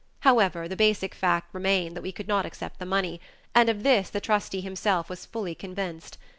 However, the basic fact remained that we could not accept the money, and of this the trustee himself was fully convinced.